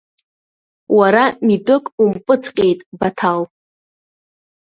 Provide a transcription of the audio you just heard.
Уара митәык умпыҵҟьеит, Баҭал!